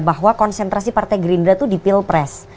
bahwa konsentrasi partai gerindra itu di pilpres